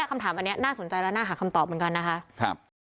คำถามอันนี้น่าสนใจแล้วน่าหาคำตอบเหมือนกันนะคะ